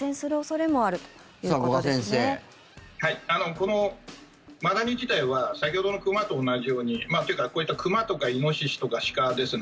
このマダニ自体は先ほどの熊と同じようにというか、こういった熊とかイノシシとか鹿ですね。